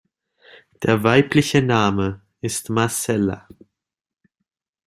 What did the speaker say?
Der weibliche Name ist Marcella.